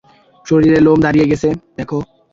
শরীরের লোম দাঁড়িয়ে গেছে, দেখো।